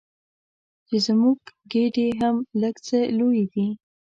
چې زموږ ګېډې هم لږ څه لویې دي.